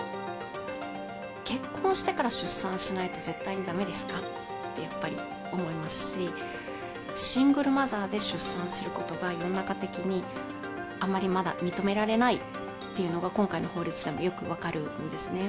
結婚してから出産しないと絶対にだめですかって、やっぱり思いますし、シングルマザーで出産することが、世の中的に、あまりまだ認められないっていうのが、今回の法律でもよく分かるんですね。